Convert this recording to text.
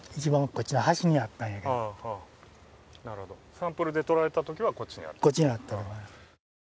サンプルでとられたときは、こっちにあったと。